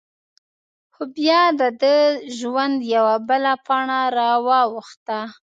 خو؛ بیا د دهٔ د ژوند یوه بله پاڼه را واوښته…